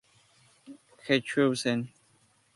The Chosen".